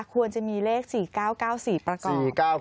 ควรจะมีเลข๔๙๙๔ประกอบ